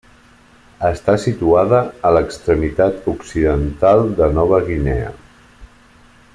Està situada a l'extremitat occidental de Nova Guinea.